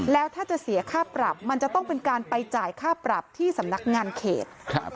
แล้วถ้าจะเสียค่าปรับมันจะต้องเป็นการไปจ่ายค่าปรับที่สำนักงานเขต